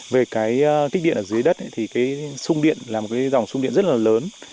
về cái kích điện ở dưới đất thì cái sung điện là một dòng sung điện rất là lớn